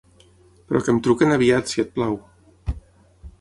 Però que em truquin aviat, si et plau!